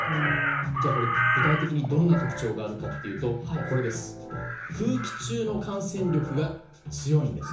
じゃあこれ、具体的にどんな特徴があるかというと空気中の感染力が強いんです。